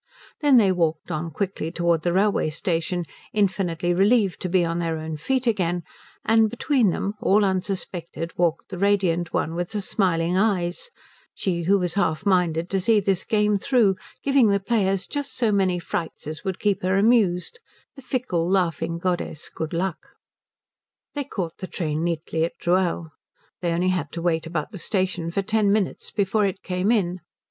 Then they walked on quickly towards the railway station, infinitely relieved to be on their own feet again, and between them, all unsuspected, walked the radiant One with the smiling eyes, she who was half minded to see this game through, giving the players just so many frights as would keep her amused, the fickle, laughing goddess Good Luck. They caught the train neatly at Rühl. They only had to wait about the station for ten minutes before it came in.